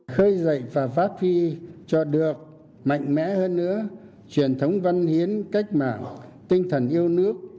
khơi dậy và phát huy cho được mạnh mẽ hơn nữa truyền thống văn hiến cách mạng tinh thần yêu nước